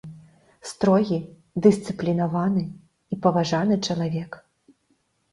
Строгі, дысцыплінаваны і паважаны чалавек.